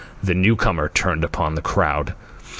The newcomer turned upon the crowd.